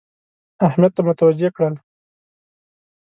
اهمیت ته متوجه کړل.